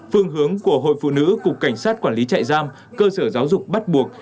phương hướng của hội phụ nữ cục cảnh sát quản lý trại giam cơ sở giáo dục bắt buộc